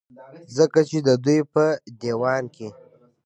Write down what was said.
ځکه چې د دوي پۀ ديوان کې